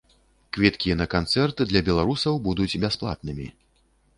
Квіткі на канцэрт для беларусаў будуць бясплатнымі.